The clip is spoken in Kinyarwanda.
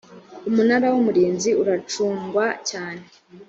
umunara wumurinzi uracungwa cyane.